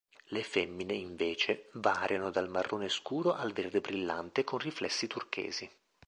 Le femmine, invece, variano dal marrone scuro al verde brillante con riflessi turchesi.